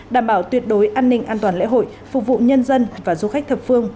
đảm bảo tuyệt đối an ninh an toàn lễ hội phục vụ nhân dân và du khách thập phương